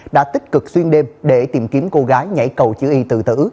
đã tích cực xuyên đêm để tìm kiếm cô gái nhảy cầu chữ y tự tử